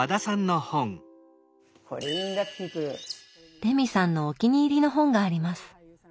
レミさんのお気に入りの本があります。